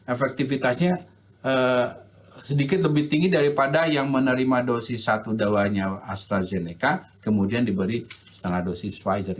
efektivitasnya sedikit lebih tinggi daripada yang menerima dosis satu dawanya astrazeneca kemudian diberi setengah dosis pfizer